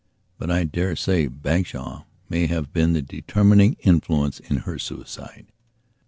But I dare say Bagshawe may have been the determining influence in her suicide.